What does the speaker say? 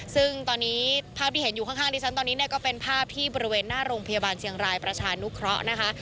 ซึ่งตอนนี้ภาพที่เห็นอยู่ข้างดิฉันตอนนี้เนี่ยก็เป็นภาพที่บริเวณหน้าโรงพยาบาลเชียงรายประชานุเคราะห์นะคะ